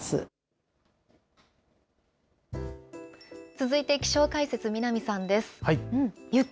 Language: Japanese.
続いて気象解説、南さんです。